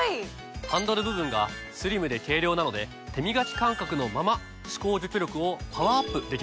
ハンドル部分がスリムで軽量なので手みがき感覚のまま歯垢除去力をパワーアップできるんです。